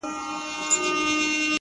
• له هيبته يې لړزېږي اندامونه,